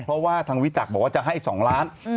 เพราะว่าทางวิจักษ์บอกว่าจะให้๒ล้าน